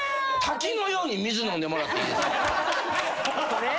これ？